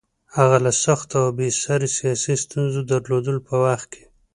هغه له سختو او بې ساري سیاسي ستونزو درلودلو په وخت کې.